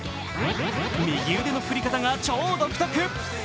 右腕の振り方が超独特。